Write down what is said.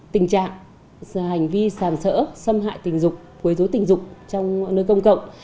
tình trạng hành vi giảm sỡ xâm hại tình dục quê dối tình dục trong nơi công cộng